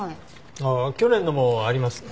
ああ去年のもありますね。